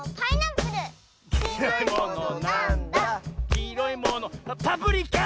「きいろいものパプリカ！」